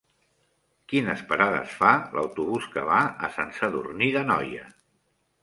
Quines parades fa l'autobús que va a Sant Sadurní d'Anoia?